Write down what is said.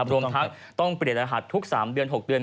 รวมทั้งต้องเปลี่ยนรหัสทุก๓เดือน๖เดือน